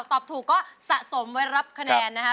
ตอบถูกก็สะสมไว้รับคะแนนนะคะ